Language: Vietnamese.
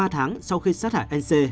ba tháng sau khi sát hại anh c